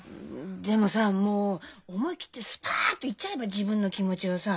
でもさもう思い切ってスパッと言っちゃえば自分の気持ちをさ。